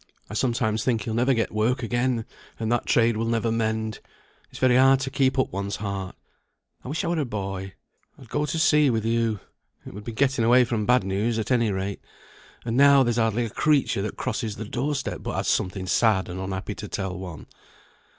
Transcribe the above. "I sometimes think he'll never get work again, and that trade will never mend. It's very hard to keep up one's heart. I wish I were a boy, I'd go to sea with you. It would be getting away from bad news at any rate; and now, there's hardly a creature that crosses the door step, but has something sad and unhappy to tell one.